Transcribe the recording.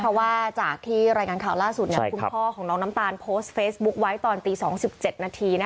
เพราะว่าจากที่รายงานข่าวล่าสุดคุณพ่อของน้องน้ำตาลโพสต์เฟซบุ๊คไว้ตอนตี๒๗นาที